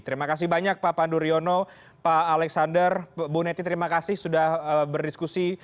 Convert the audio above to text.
terima kasih banyak pak pandu riono pak alexander bu neti terima kasih sudah berdiskusi